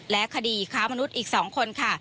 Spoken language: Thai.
และคดีค้ามนุษย์อีก๒คนค่ะ